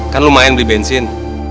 kan lumayan beli bensin